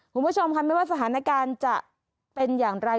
คุณผู้ชมค่ะไม่ว่าสถานการณ์จะเป็นอย่างไร